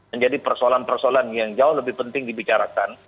menjadi persoalan persoalan yang jauh lebih penting dibicarakan